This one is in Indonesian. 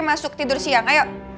masuk tidur siang ayo